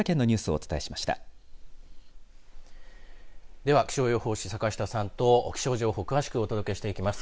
では気象予報士、坂下さんと気象情報詳しくお届けしていきます。